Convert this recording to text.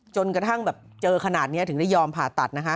จนกระทั่งเจอขนาดนี้ถึงได้ยอมผ่าตัด